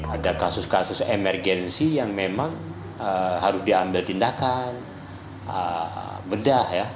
ada kasus kasus emergensi yang memang harus diambil tindakan bedah ya